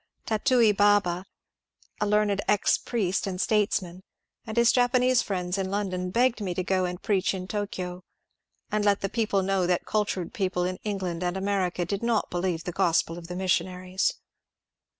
Tatui Baba, a learned ex priest and statesman, and his Japanese friends in London, begged me to go and preach in Tokio, aud let the people know that cultured people in England and America did not believe the gospel of the missionaries.